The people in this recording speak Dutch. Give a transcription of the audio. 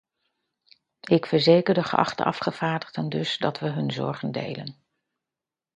Ik verzeker de geachte afgevaardigden dus dat we hun zorgen delen.